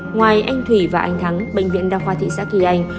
ngoài anh thủy và anh thắng bệnh viện đa khoa thị xã kỳ anh